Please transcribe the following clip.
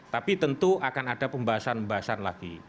tapi tentu akan ada pembahasan pembahasan lagi